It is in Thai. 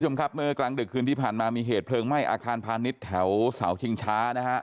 คุณผู้ชมครับเมื่อกลางดึกคืนที่ผ่านมามีเหตุเพลิงไหม้อาคารพาณิชย์แถวเสาชิงช้านะฮะ